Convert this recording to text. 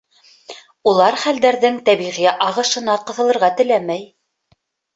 Улар хәлдәрҙең тәбиғи ағышына ҡыҫылырға теләмәй.